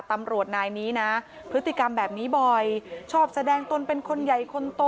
ตำรวจนายนี้นะพฤติกรรมแบบนี้บ่อยชอบแสดงตนเป็นคนใหญ่คนโต